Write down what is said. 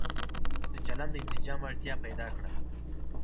د چلن د انسجام اړتيا پيدا کړه